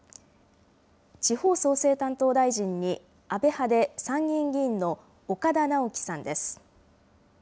地方創生担当大臣に安倍派で参議院議員の岡田直樹さんです。